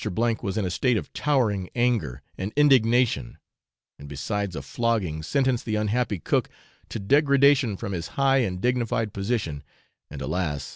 was in a state of towering anger and indignation, and besides a flogging sentenced the unhappy cook to degradation from his high and dignified position (and, alas!